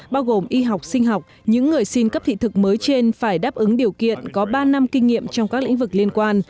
bao gồm y học sinh học những người xin cấp thị thực mới trên phải đáp ứng điều kiện có ba năm kinh nghiệm trong các lĩnh vực liên quan